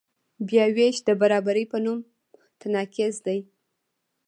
بیاوېش د برابرۍ په نوم تناقض دی.